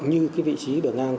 như cái vị trí đường ngang